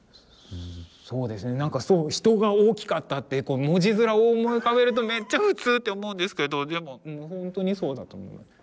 そうですねなんかそう「人が大きかった」って文字面を思い浮かべるとめっちゃ普通って思うんですけどでもほんとにそうだと思います。